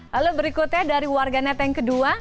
lalu berikutnya dari warga net yang kedua